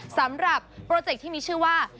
สำหรับโปรเจคที่มีชื่อว่า